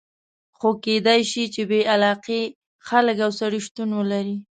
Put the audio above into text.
خو کېدای شي چې بې علاقې خلک او سړي شتون ولري.